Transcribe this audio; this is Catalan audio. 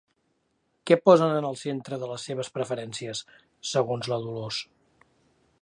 Què posen en el centre de les seves preferències, segons la Dolors?